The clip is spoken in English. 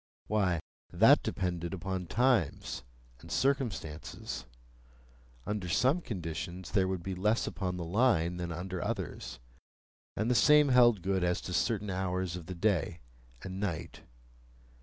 Why, that depended upon times and circumstances. Under some conditions there would be less upon the Line than under others, and the same held good as to certain hours of the day and night.